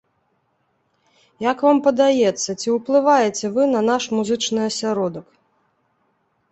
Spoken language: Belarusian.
Як вам падаецца, ці ўплываеце вы на наш музычны асяродак?